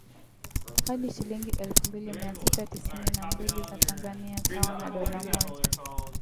hadi shilingi elfu mbili mia sita tisini na mbili za Tanzania sawa na dola mmoja